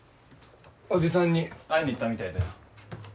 おじさんに会いに行ったみたいだよ。